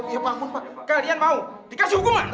ya pak kalian mau dikasih hukuman